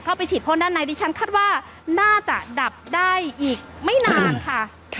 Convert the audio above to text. ไปฉีดพ่นด้านในดิฉันคาดว่าน่าจะดับได้อีกไม่นานค่ะ